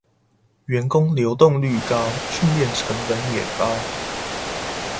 員工流動率高，訓練成本也高